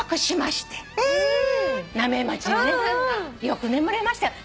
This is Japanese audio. よく眠れましたよ。